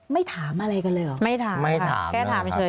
ถามอะไรกันเลยเหรอไม่ถามไม่ค่ะแค่ถามเฉย